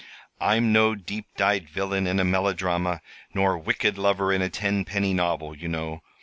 I'm no deep dyed villain in a melodrama, nor wicked lover in a ten penny novel, you know.